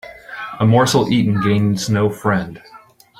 A morsel eaten gains no friend